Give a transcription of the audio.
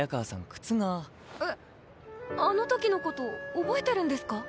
えっあの時の事覚えてるんですか？